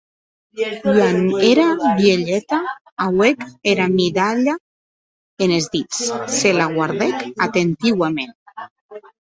Quan era vielheta auec era midalha enes dits, se la guardèc atentiuament.